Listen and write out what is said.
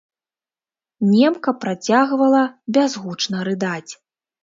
Немка працягвала бязгучна рыдаць.